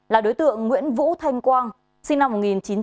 là đối tượng nguyễn vũ thanh quang sinh năm một nghìn chín trăm chín mươi ba